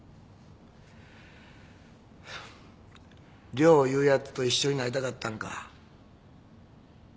涼いうヤツと一緒になりたかったんか？